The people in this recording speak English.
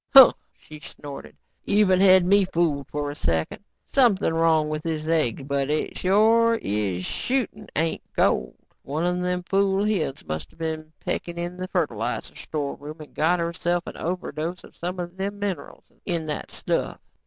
"Huh," she snorted. "Even had me fooled for a second. Something wrong with this egg but it sure is shootin' ain't gold. One of them fool hens must of been pecking in the fertilizer storeroom and got herself an overdose of some of them minerals in that stuff.